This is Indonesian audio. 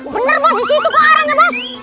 bener bos di situ ke arahnya bos